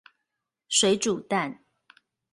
水煮蛋